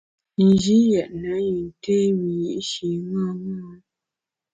Nji yètne yin té wiyi’shi ṅaṅâ.